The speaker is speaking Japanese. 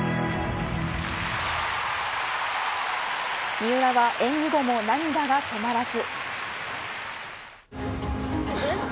三浦は演技後も涙が止まらず。